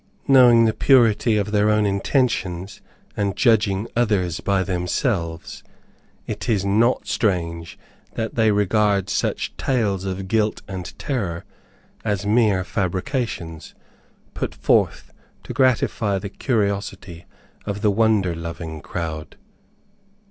Knowing the purity of their own intentions, and judging others by themselves, it is not strange that they regard such tales of guilt and terror as mere fabrications, put forth to gratify the curiosity of the wonder loving crowd.